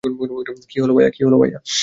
কী হলো, ভাইয়া?